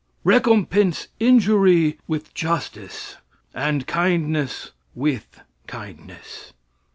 "Recompense injury with justice, and kindness with kindness."